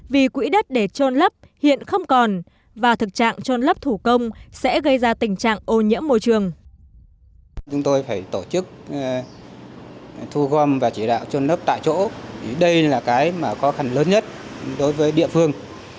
vì quỹ đất để trôn lấp hiện không còn và thực trạng trôn lấp thủ công sẽ gây ra tình trạng ô nhiễm môi trường